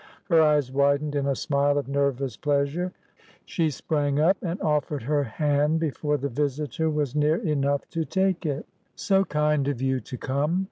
Her eyes widened in a smile of nervous pleasure; she sprang up, and offered her hand before the visitor was near enough to take it. "So kind of you to come!